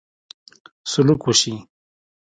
سلوک وشي.